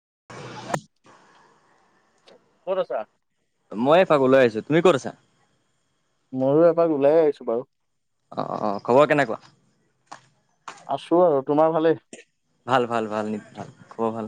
[unintelligible] ক'ত আছা? মই এ পাবলৈ আহিছোঁ। তুমি ক'ত আছা? ময়ো এপাক ওলাই আহিছোঁ বাৰু। অ' অ' খবৰ কেনেকুৱা? আছোঁ আৰু তোমাৰ ভালেই? ভাল ভাল ভাল নি ভাল খবৰ ভাল।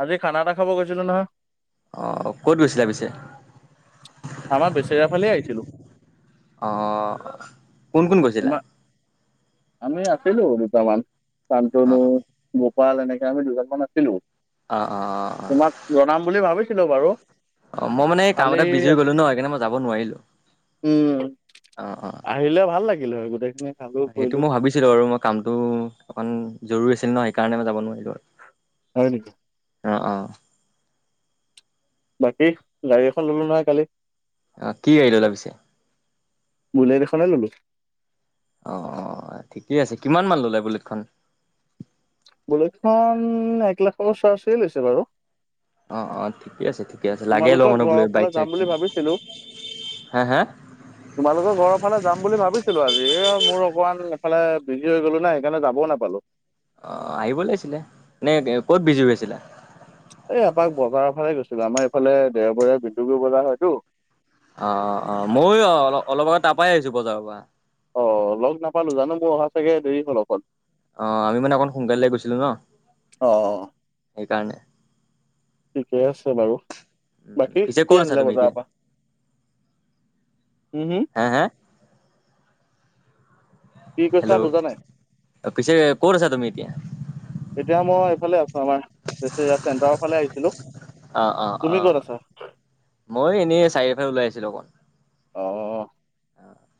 আজি খানা এটা খাব গৈছিলোঁ নহয়। অ', ক'ত গৈছিলে পিছে। আমাৰ বেচেৰা ফালে আহিছিলো অ, কোন কোন গৈছি ছিলা। তোমাৰ আমি আছিলো দুটামান, অ কান্তনু গোপাল এনেকে আমি দুজনমান আছিলো, অ অ তোমাক অ জনাম বুলি ভাবিছিলো বাৰু। অ, মই মানে এই কাম কালি এটাত বিজি হৈ গ'লো ন সেইকাৰণে মই যাব নোৱাৰিলো। উম, অ অ আহিলে ভাল লাগিল হয় গোটেইখিনি। খালো কৰিলো সেইটো মই ভাবিছিলো আৰু মই কামটো অকণ জৰুৰী আছিল ন সেইকাৰণে মই যাব নোৱাৰিলো আৰু। হয় নেকি? অ, অ। বাকী, গাড়ী এখন ল'লো নহয় কালি। অ, কি গাড়ী ললা পিছে। বুলেট এখনে ললো। অ, অ, ঠিকেই আছে কিমান মান ল'লে বুলেটখন। বুলেটখন এক লাখৰ চাৰ্চে লৈছে বাৰু। অ, অ, ঠিকে আছে ঠিকে আছে লাগে ন তোমালোকৰ মানে ঘৰৰ বুলেট ফালে বাইক যাম বুলি চাইকখন। ভাবিছিলো তোমালোকৰ ঘৰৰ ফালে যাম বুলি ভাবিছিলো আজি এ মোৰ অকমান এফালে বিজি হৈ গ'লো না সেইকাৰণে যাবও নাপালো। অ, আহিব লাগিছিলে। এনে ক'ত বিজি হৈ আছিলা। এই আপাক বজাৰৰ ফালে গৈছিলো আমাৰ এইফালে দেওবৰীয়া ডিব্ৰুগড় বজাৰ হয়তো। অ, অ, অ ময়ো অ অলপ আগত তাৰ পৰাই আহিছো বজাৰৰ পৰা। অ, লগ নাপালো জানো মই অহা চাগে দেৰি হ'ল অকণ। অ, আমি মানে অকণ সোনকালে গৈছিলো ন অ সেইকাৰণে। ঠিকে আছে বাৰু, উম, বাকী পিছে ক'ত কি আছা আনিলা তুমি এতিয়া? বজাৰৰ পৰা। উম হুম হা হা কি কৈছা হেল্ল' বুজা পিছে ক'ত আছা তুমি এতিয়া। এতিয়া মই এইফালে আছো আমাৰ চেণ্টাৰৰ ফালে আহিছিলো। অ, অ, তুমি অ, ক'ত আছা মই এনেই চাৰিআলিফালে ওলাই আহিছিলো অকণ। অ',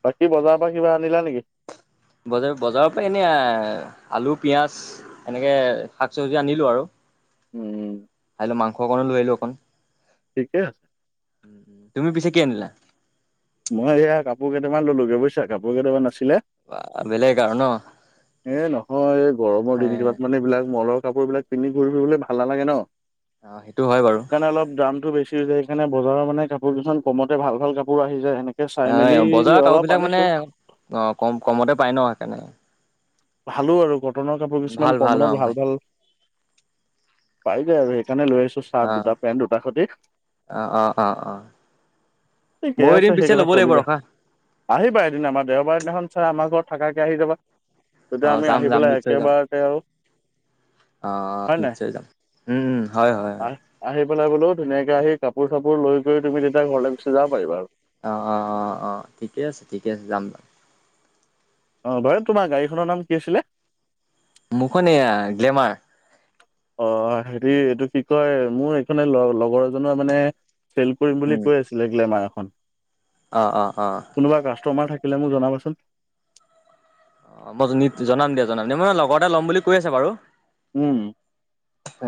বাকী বজাৰৰ পৰা কিবা আনিলা নেকি? বজাৰ বজাৰৰ পৰা এনে আলু পিয়াজ এনেকে শাক চবজি আনিলো আৰু। উম। আহিলো মাংস অকণো লৈ আহিলোঁ অকণ। ঠিকে আছে। উম, তুমি পিছে কি আনিলা? মই এইয়া কাপোৰ কেইটামান ললোগে বুইছা কাপোৰ কেইটামান নাছি বেলেগ আৰু ন এ নহয় গৰমৰ এ দিন কেইটাত মানে এইবিলাক ম'লৰ কাপোৰ বিলাক পিন্ধি ঘূৰি ফুৰিবলৈ ভাল নালাগে ন, অ', সেইটো হয় বাৰু সেইকাৰণে অলপ দামতটো বেছি এইকাৰণে বজাৰৰ মানে কাপোৰ কেইখন কমতে ভাল ভাল কাপোৰ আহি যায় সেনেকে চাই এ মেলি বজাৰৰ কাপোৰ অলপ বিলাক মানে আনিছো অ' কম কমতে পায় ন সেইকাৰণে। ভালো আৰু কটনৰ কাপোৰ কিছুমান কম দামত ভাল ভাল পাই যায় আৰু সেই সেই কাৰণে লৈ আহিছো চাৰ্ট অ', দুটা, পেন্ট দুটা সতি অ', [inaudible] ঠিকে ময়ো এদিন আছে পিছে সেইকেটা ল'ব চলি লাগিব যায়। ৰখা। আহিবা এদিন আমাৰ দেওবাৰৰ দিনাখন চ আমাৰ ঘৰত থাকাকে আহি যাবা। তেতিয়া অ', আমি যাম আহি যাম পেলাই নিশ্চয় যাম একেবাৰকে আৰু অ' হয় নাই নিশ্চয় যাম উম হয় হয় হয়। আহ আহি পেলাই বোলো ধুনীয়াকে আহি কাপোৰ চাপোৰ লৈ গৈ তুমি তেতিয়া ঘৰলৈ গুচি যাব পাৰিবা আৰু। অ, অ, অ, অ ঠিকে আছে ঠিকে আছে যাম যাম। অ' বাৰু তোমাৰ গাড়ীখনৰ নাম কি আছিলে? মোৰখন এয়া গ্লেমাৰ। অ', হেৰি এইটো কি কয় মোৰ এইখনে লগৰ এজনৰ মানে চেল কৰিম বুলি উম, কৈ আছিলে গ্লেমাৰ এখন। অ', অ', অ'। কেলে মোক জনাবাচোন। অ', মই জনাম দিয়া জনাম দিয়া মই মানে লগৰ এটা ল'ম বুলি কৈ আছে বাৰু। উম।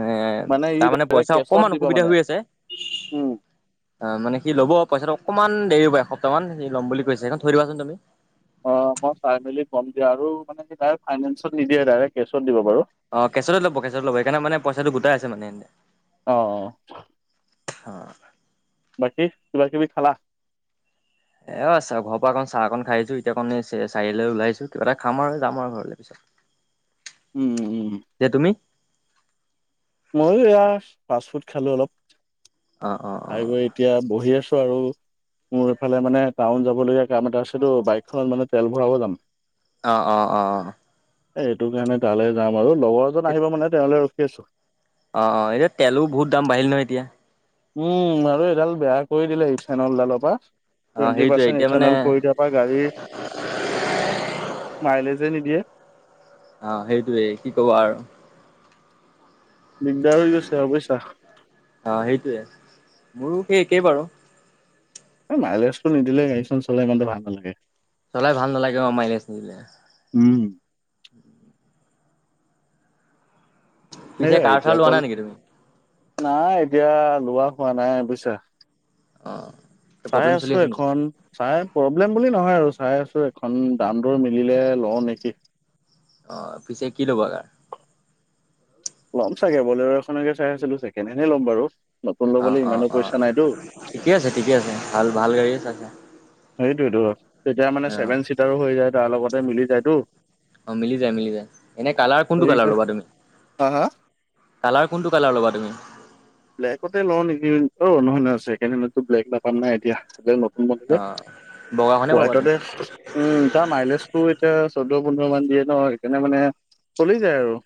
এ মানে ই তাৰমানে ডাইৰেক্ট পইচা কেছত অকমান দিব অসুবিধা মানে হৈ আছে। উম অ', মানে কি ল'ব পইচাটো অকণমান দেৰি হব এসপ্তাহ মান সি ল'ম বুলি কৈছে সেইখন থৈ দিবাচোন তুমি। অ', মই চাই মেলি কম দিয়া আৰু মানে ডৰেক্ট ফাইনেন্সত নিদিয়ে ডাইৰেক্ট কেচত দিব বাৰু। অ', কেচততে ল'ব কেচত লব সকাৰে মে পইচাটো গোটাই আছে মানে এনে। আহ। অ'। বাকী কিবা কিবি খালা? এ চাহ ঘৰ পৰা অক চাহ অকন খাই আছো এতিয়াকণ চাৰিআৈ ওলাইছো কিবা এটা খাম আৰু যাম আৰু ঘৰলৈ পিছত। [unintelligible] উম, উম, উম। এতিয়া তুমি মইো এয়া ফাষ্ট ফুড খালো অলপ অ অ অ অ খাই গৈ এতিয়া বহি আছো। আছো আৰু। মোৰ এফালে টাউন যাব লগীয়া কাম এটা আছেতো বাইকখনত মানে তেল ভৰাব যাম। অ', অ', অ', অ'। এ এইটো কাৰণে তালৈ যাম আৰু লগৰ এজন আহিব মানে তেওঁলে ৰখি আছো। অ', অ', এতিয়া তেলো বহুত দাম বাঢ়িল নহয় এতিয়া। উম, আৰু এডাল বেয়া কৰি দিলে সি ইথানলডালৰ পৰা অ টুৱেণ্টি সেইটোৱে পাৰ্চেণ্ট এতিয়া মানে ইথনেল কৰি থকাা গাড়ীৰ মাইলেজে নিদিয়ে। আহ সেইটোৱেই কি কব আৰু। দিগদাৰ হৈ গৈছে আৰু বুইছা। অ সেইটোৱে মোৰো সেই একেই বাৰু। মাইলেজটো নিদিলে গাড়ী চখন চলাই ইমানে ভাল নালাগে। চলাই ভাল নালাগে অ' মাইলে নিদিলে। উম। পিছে সেইয়াই কাৰ চাৰ এতিয়া লোৱা কল নাই নেকি তুমি নাই এতিয়া লোৱা হোৱা নাই বুজিছা। অহ। চাই আছো এখন চাই প প্ৰব্লেম বুলি নহয় আৰু চাই আছো এখন দাম দৰ মিলিলে লওঁ নেকি! অ', পিছে কি ল'বা কাৰ? ল'ম চাগে ব'লেৰো এখনকে চাই আছিলো। চেকেণ হেণ্ড ল'ম বাৰু। নতুন ল'বলৈ অ', অ', ইমানো অ' পইচা নাইতো ঠিকে আছে ঠিকে আছে ভাল ভাল গাড়ীয়ে চাইছা। সেইটোয়েতো তেতিয়া মানে অ চছেভেন চিটাৰো হৈ যায় তাৰ লগতে মিলি যায়তো। অ', মিলি যায় মিলি যায় এনে কালাৰ কোনটো সেই কালাৰ ল'বা তুমি? হা হা কালাৰ কোনটো কালাৰ ল'বা তুমি? ব্লেকতে লওঁ নেকি অ নহয় নহয়কাৰো ব্লেক নাপাম নাই এতিয়া অ', বগাখনে পাবা তুমি, [unintelligible] উম তাৰ মাইলেজটো এতিয়া চৈধ্য পোন্ধৰ মান দিয়ে ন সেইকাৰণে মানে চলি যায় আৰু।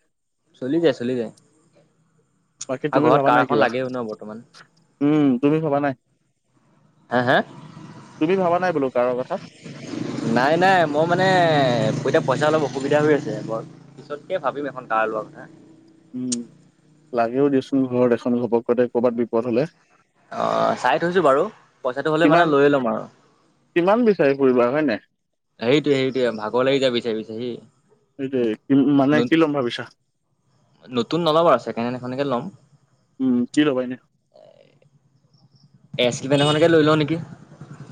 চলি যায় চলি যায়। বাকী আৰু তুমি ঘৰত ভবা কাৰ নাই এখন কিবা লাগেও ন বৰ্তমান। উম তুমি ভবা নাই। হা হা, তুমি ভাবা নাই বোলো ক নাই নাই মই মানে পইচা অলপ অসুবিধা হৈ আছে বই পিছতকে ভাবিম এখন কাৰ লোৱা কথা। উমা, লাগেও দিয়চোন ঘৰত এখন ঘপককতে কৰ'বাত বিপদ হলে। অ চাই থৈছো বাৰু পইচাটো হলে মানে কিমান লৈ লম আৰু। কিমান বিচাৰি ফুৰিবা হয় নাই সেইটোয়ে সেইটোয়ে ভাগৰ লাগি যাব বিচাৰি বিচাৰ সি সেইটোৱে কি মানে ন কি ল'ম ভাবিছা নতুন নলব আৰু চেকেন এখনকে ল'ম। উম কি ল'বা এনে এছ ইভেনখনকে লৈ লওঁ নেকি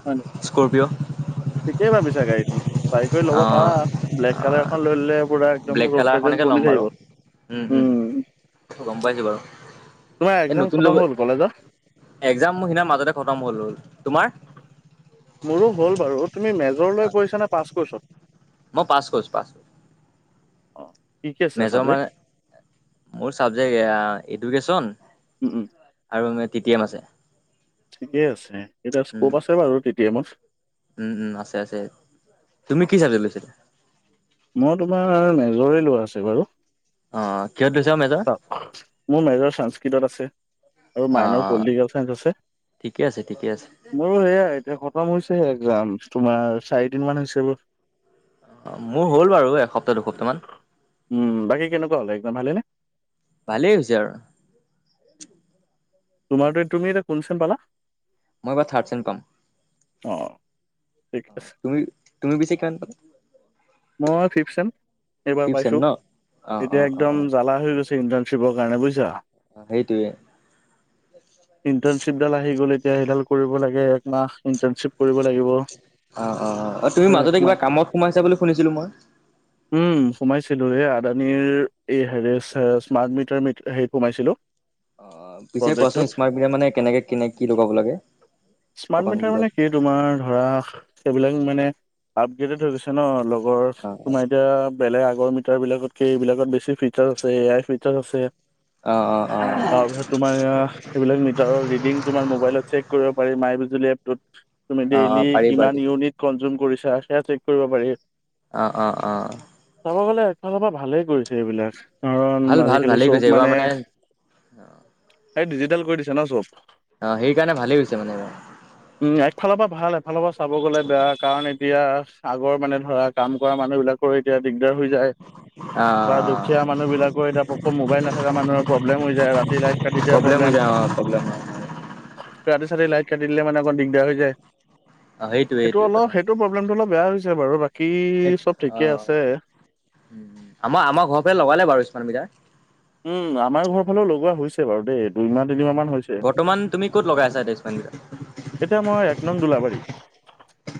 হয় নাই স্কৰপিঅ' ঠিকেই ভাবিছা গাড়ীখন চাই কৰি ল'ব পাৰা অ', ব্লেক কালাৰ এখন লৈ ললে পুৰা একদম ব্লেক ৰড কালাৰ প্ৰেজে এখনকে ল'ম বাৰু উম উম গম পাইছোঁ বাৰু। তোমাৰ এই এক্জাম নতুন ল খতম হ'ল কলেজৰ? একজাম সিনা মাজতে খতম হ'ল হ'ল তোমাৰ? মোৰো হ'ল বাৰু তুমি মেজৰলৈ পঢ়িছা নে পাছ কৰিছ মই পাছ কৰিছো পাছ অ কি কি আছে মেজৰ চাবজেক্ট? মানে মোৰ চাবজেক্ট এয়া এডুকেশ্যন উম, উম, আৰু মান টি টি এম আছে। ঠিকেই আছে এতিয়া উম, স্কপ আছে বাৰু টি টি এমত। উম উম আছে আছে তুমি কি চাবজেক্ট লৈছিলা ছে বাৰু অ কিহত লৈছা মেজৰ? মোৰ মেজৰ সংস্কৃতত আছে। আৰু মাইনৰ অ' পলিটিকেল চাইন্স আছে। ঠিকে আছে ঠিকে আছে। মোৰো সেয়াই এতিয়া খতম হৈছেহে এক্জাম। তোমাৰ চাৰিদিন মান হৈছে অ মোৰ হ'ল বাৰু এসপ্তাহ দুসপ্তাহ মান। উম, বাকী কেনেকুৱা হ'ল এক্জাম ভালেনে? ভালেই হৈছে আৰু তোমাৰটো তুমি এতিয়া কোন চেম পালা? মই এবাৰ থাৰ্ড চেম পাম। অ', ঠিক অ আছে। তুমি তুমি পিছে কিমান পালা? মই ফিফ চেম, এইবাৰ ফিফ চেম পাইছো ন? অ', এতিয়া অ', অ', একদম অ', জ্বালা হৈ গৈছে ইন্টাৰ্ণ শ্বিপৰ কাৰণে বুজিছা? অ সেইটোয়ে। ইণ্টাৰ্ণশ্বিপডাল আহি গল এতিয়া সেইডাল কৰিব লাগে একমাহ ইণ্টাৰনশ্বিপ কৰিব লাগিব। অ অ, তুমি মাজতে কিবা একমাহ কামত সোমাইছা বুলি শুনিছিলো মই। উম সোমাইছিলো এই আদানীৰ এই হেৰি স্মাৰ্ট মিটাৰ হেৰিত সোমাইছিলো। অ', পিছে প্ৰজেক্টটোত কোৱাচোন স্মাৰ্ট মিটাৰত মানে কেনেকে কেনে কি লগাব লাগে অকমান। এ কি তুমাৰ ধৰা সেইবিলাক মানে আপগ্ৰেটেড হৈ গৈছে ন। আগৰ অ তোমাৰ এতিয়া বেলেগ আগৰ মি টাৰ বিলাকতকে এইবিলাকত বেছি ফিচাৰ আছে এ আই ফিচাৰ আছে। অ' অ'। অ তাৰপিছত তোমাৰ এয়া সেইবিলাক মিটাৰৰ ৰিডিং তোমাৰ মোবাইলত চেক কৰিব পাৰি মাই বিজুলি এপ। টোত তুমি অ ডেইলি পাৰি কিমান পাৰি ইউনিট কনজিউম কৰিছা সেয়া চেক কৰিব পাৰি। অ' অ' অ'। চাব গ'লে এফালৰ পৰা ভালেই কৰিছে এইবিলাক। কাৰণ ভাল ভাল আজিকালি ভালেই গৈছে চব এইবাৰ মানে এই ডিজিটেল কৰি দিছে ন চব। অ সেইকাৰণে ভালেই হৈছে মানে। উম, এফালৰ পৰা ভাল এফালৰ পৰা চাব গলে বেয়া কাৰণ এতিয়া আগৰ মানে ধৰা কাম কৰা মানুহ বিলাকৰ এতিয়া দিগদাৰ হৈ যায়। অ বা দুখীয়া মানুহ বিলাকৰ এতিয়া মোবাইল নাথকা মানুহৰ প্ৰব্লেম হৈ যায় ৰাতি লাইট কাটি দিয়া প্ৰব্লেম। [unintelligible] ৰাতি-চাতি লাইট কাটি দিলে মানে অকণ দিগদাৰ হৈ যায়। অ সেইটোৱে সেইটো সেইটোৱে কথা অলপ সেইটো প্ৰব্লেমটো অলপ বেয়া হৈছে বাৰু। বাকী সেই চব ঠিকে অ' আছে উম, আমাৰ আমাৰ ঘৰৰ ফালে লগালে বাৰু স্মাৰ্ট মিটাৰ। উম আমাৰ ঘৰৰ ফালেও লগোৱা হৈছে বাৰু দেই দুইমাহ অ তিনিমাহ মান হৈছে বৰ্তমান তুমি ক'ত লগাই আছা তেজপাকেইটা এতিয়া মই এক নং দোলাবাৰী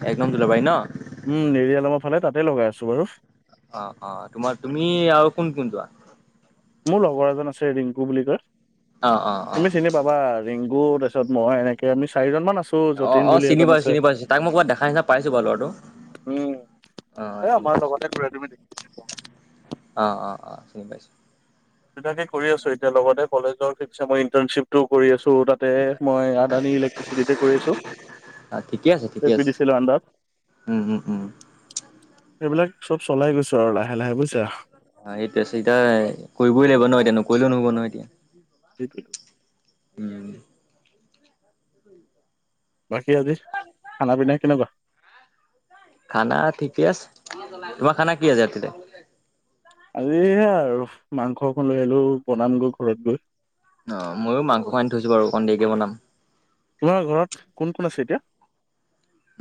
এক নং দোলাবাৰী ন উম নেৰিযালামৰ ফালে তাত ত লগাই আছো বাৰু অ অ তোমাৰ তুমি আৰু কোন কোন যোৱা মোৰ লগৰ এজন আছে ৰিংকু বুলি কয় অ অ অ তুমি চিনি পাবা ৰিংকু কো তাৰিছত মই এনেকে আমি চাৰিজন মান আছোঁ অ অ চিনি পাইছো চিনি পাইছো তাক মই ক'বাত দেখা নিচিনা পাইছো বাৰো লৰাটো অ হে চিনি আমাৰ পাইছো লগতে ঘূৰে তুমি অ অ অ চিনি পাইছো দুইটাই কৰি আছো এতিয়া লগতে কলেজৰ ফাইজমৰ ইন্তৰ্নচিভ টো কৰি আছো ত মই আদানী ইলেক্ট্ৰিচিটিতে কৰি আছোঁ অ ঠিকে আছে ঠিকে আছে উম উম উম এইেইবিলাক চব চলাই গৈছো আৰু লাহে লাহে বুজিছা অ সেইটো আছে এতিয়া কৰিবই লাগিব ন এতিয়া নকৰিলেও নহব নহয় এতিয়া সেইটোৱেই উম বাকী আজি খানা পিনাাই কেনেকুৱা খানা ঠিকেই আছে তোমাৰ খানা কি আছে তেয়া আজি আৰু মাংস একন লৈ আশীলো বনাম গৈ ঘৰত গৈ অ ময়ো মাংস আনি থৈছো বাৰু অকণ দেৰিকে বনাম তোমাৰ ঘৰত কোন কোন আছে এতিয়া?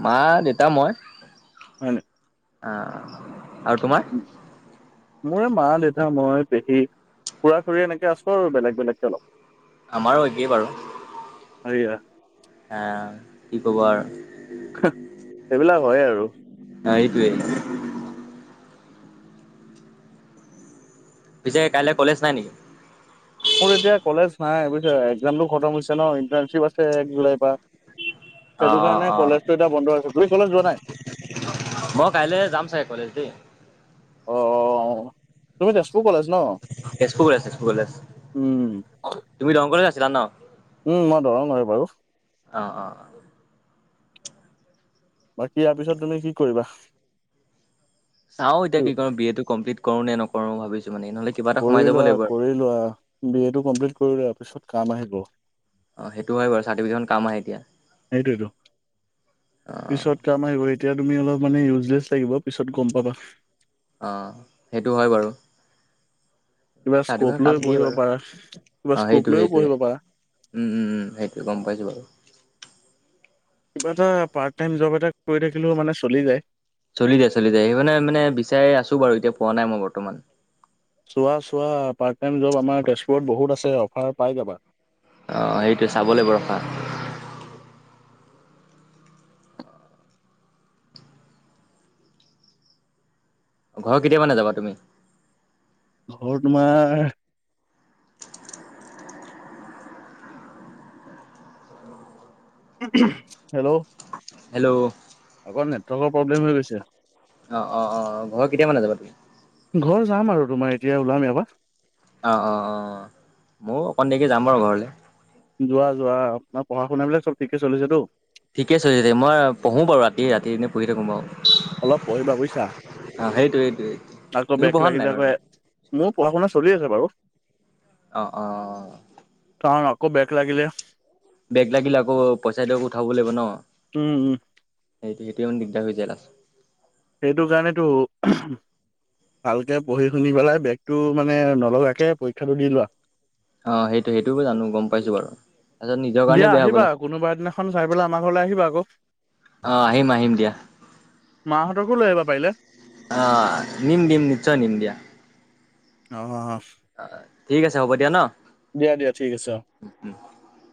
মা দেতা মই হয় নি আহ আৰু তোমাৰ? মোৰে মা দেতা মই পেহী খুৰা চোৰা এনেকে আছো আৰু বেলেগ বেলেগকে অলপ আমাৰো একে বাৰু শুনিছা আহ কি খবৰ এইবিলাক হয় আৰু সেইটোৱে পিছে কাইলৈ কলেজ নাই নেকি? মোৰ এতিয়া কলেজ নাই বুজিছা এক্সামটো খতম হৈছে ন ইণ্টাৰশ্বিপ আছে এক জুলাইৰ পৰা অ সেইটো অ কাৰণে অ কলেজটো এতিটা বন্ধ আছে তুই কলেজ যোৱা নাই মই কাইলৈ যাম চাগে কলেজ দেই অ তুমি তে তেজপুৰ কলেজ তেজপুৰ কলেজ উম তুমি দংকলত আছিলা ন উম মই দৰং হৈ বাৰু অঁ অঁ অঁ বাকী ইয়াৰ পিছত তুমি কি কৰিবা? চাও এতিয়া কি কৰো বি এ টো কমপ্লিট কৰো নে নকৰো ভাবিছো মানে নহ'লে কিবা এটা সোমাই কৰি যাব লোৱা লাগিব আৰু কৰি লোৱা বি এটো কমপ্লিট কৰি লোৱা পিছত কাম আহিব। অ সেইটো হয় বাৰু চাৰ্টিফিকেট খন কাম আহে এতিয়া সেইটোৱেতো অ পিছত কাম আহিব এতিয়া তুমি অলপ মানে ইউজলেছ লাগিব পিছত গম পাবা অ সেইটো হয় বাৰু। কিবা স্কপ চাৰ্টিফিকেট কাম লৈ দিয়ে পঢ়িব বাৰু পাৰা কিবা অ সেইটো স্কপ লৈয়ও সেইটোৱে পঢ়িব পাৰা উম উম সেইটোৱে গম পাইছো বাৰু কিবা এটা পাৰ্ট টাইম জব এটা কৰি থাকিলেও মানে চলি যায় চলি যায় চলি যায় সেইকাৰণে মানে বিচাৰি আছো বাৰু এতিয়া পোৱা নাই মই বৰ্তমান চোৱা চোৱা পাৰ্ট টাইম জব আমাৰ তেজপুৰত বহুত আছে অফাৰত পায় যাবা অ সেইটো চাবলৈ বৰষা ঘৰ কেতিয় মানে যাবা তুমি ঘৰ তোমাৰ হেল্ল' হেল্ল' আগৌ নেটৱৰ্কৰ প্ৰব্লেম হৈ গৈছে অ অ অ ঘৰৰ কেতিয়া মানে যাবা তুমি ঘৰ যাম আৰু তোমাৰ এতিয়া ওলাম এয়াৰ অ অ অ ময়ো অকণ দেকে যাম বাৰু ঘৰলে যোৱা যোৱা আপোনাৰ পঢ়া শুনা বিলাক চব ঠিকে চলিছেতো ঠিকেছে তেতিয়া মই পঢ়ো বাৰু ৰাতিয় ৰাতিনে পঢ়ি থাকো বাৰু অলপ পঢ়িবা বুজিছা অ সেইটোৱে সেইটোৱে আকৌ তুমি বেগ পঢ়া নাই লাগিলে বাৰু আকৌ মোৰ পঢ়া শুনা চলি আছে বাৰু অঁ অঁ ত আকৌ বেক লাগিলে বেগ লাগিল আকৌ পইচা দিয়ক উঠাব লাগিব ন উম উম সেইটো তেতিয়াান দিগদাৰ হৈ যায় লাষ্ট সেইটো কাৰণেতো ভালকে পঢ়ি শুনি পেলাই বেগতটো মানে নলগাকে পৰীক্ষাটো দি লোৱা অ সেইটো সেইটোয় জানো গম পাইছো বাৰু তাৰপিছত নিজৰ কাৰণে দিয়া বেয়া আহিবা হ'বলা কোনোবা এ দিনাখন চাই পেলাই আমাৰ ঘৰলৈ আহিবা আকৌ আহ আহিম আহিম দিয়া মাহঁতকো লৈ আহিবা পাৰিলে। আহ নিম নিম নিশ্চয় নিম দিয়া অ অ অ অ ঠিক আছে হ'ব দিয়া ন দিয়া দিয়া ঠিক আছে অ উম উম।